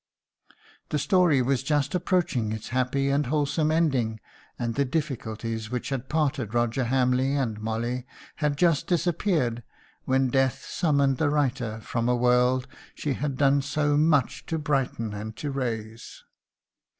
The story was just approaching its happy and wholesome ending, and the difficulties which had parted Roger Hamley and Molly had just disappeared, when death summoned the writer from a world she had done so much to brighten and to raise.